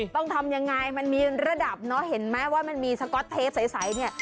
ต้องทำยังไงมันมีระดับเนอะเห็นไหมว่ามันมีสก๊อตเทปใสเนี่ย